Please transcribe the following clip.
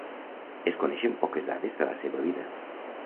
Es coneixen poques dades de la seva vida.